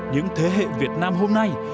những thế hệ việt nam hôm nay